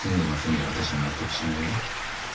じゃ私は納得しないよ。